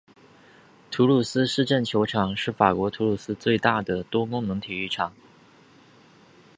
土鲁斯市政球场是法国土鲁斯最大的多功能体育场。